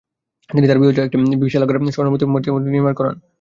তিনি তার বিহারের জন্য একটি বিশালাকার স্বর্ণনির্মিত মৈত্রেয় মূর্তি নির্মাণ করান।